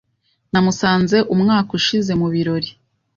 Namusanze umwaka ushize mubirori.